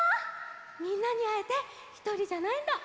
みんなにあえてひとりじゃないんだ